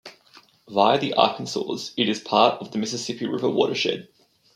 Via the Arkansas, it is part of the Mississippi River watershed.